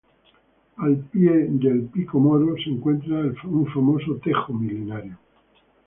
Al pie de Pico Moro se encuentra un famoso Tejo milenario.